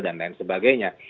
dan lain sebagainya